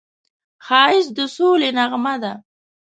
ښایست د سولې نغمه ده